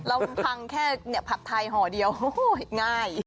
เราพังแค่ผัดไทยห่อเดียวง่าย